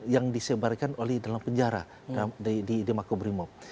yang disebarkan oleh dalam penjara di makobrimob